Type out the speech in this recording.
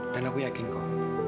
dan aku yakin kok